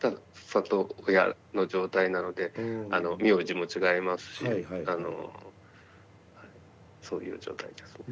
里親の状態なので名字も違いますしそういう状況ですね。